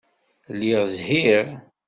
Lliɣ zhiɣ.